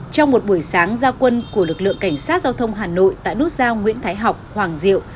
trong một buổi sáng giao quân của lực lượng cảnh sát giao thông hà nội tại nút giao nguyễn thái học hoàng diệu